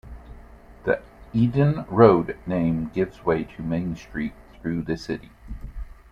The Edon Road name gives way to Main Street through the city.